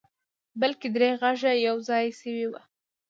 بلکې درې غږه يو ځای شوي وو.